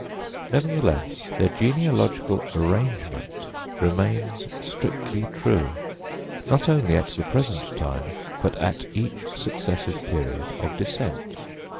Nevertheless, their genealogical arrangement remains strictly true, not only at the present time, but at each successive period of descent.